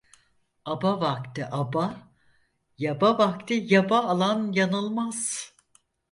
Aba vakti aba, yaba vakti yaba alan yanılmaz.